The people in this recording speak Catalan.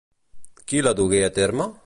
Qui la dugué a terme?